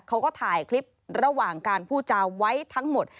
เขาก็ถ่ายคลิประหว่างการพูดจาไว้ทั้งหมด